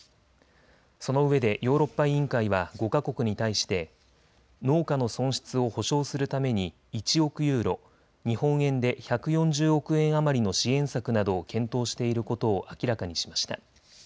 そのうえでヨーロッパ委員会は５か国に対して農家の損失を補償するために１億ユーロ、日本円で１４０億円余りの支援策などを検討していることを明らかにしました。